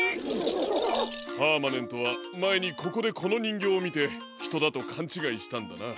パーマネントはまえにここでこのにんぎょうをみてひとだとかんちがいしたんだな。